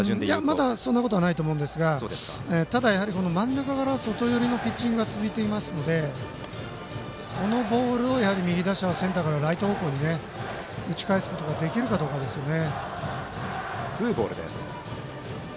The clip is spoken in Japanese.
まだそんなことはないと思うんですが、ただ真ん中から外寄りのピッチングが続いていますのでこのボールを右打者はセンターからライト方向に打ち返せるかですね。